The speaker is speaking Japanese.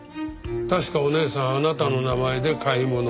確かお姉さんあなたの名前で買い物をしていたと。